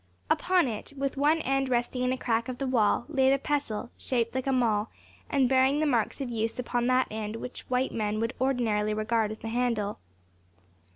Upon it, with one end resting in a crack of the wall, lay the pestle, shaped like a maul, and bearing the marks of use upon that end which white men would ordinarily regard as the handle.